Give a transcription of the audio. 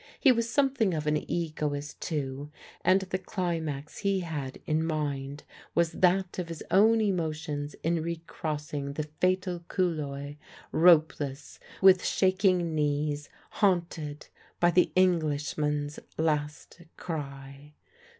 He was something of an egoist, too, and the climax he had in mind was that of his own emotions in recrossing the fatal couloir ropeless, with shaking knees, haunted by the Englishman's last cry.